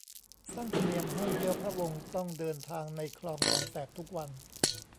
สร้างธรรมเนียมให้เชื้อพระวงศ์ต้องเดินทางในคลองแสนแสบทุกวัน